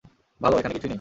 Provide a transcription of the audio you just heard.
ভালো, এখানে কিছুই নেই।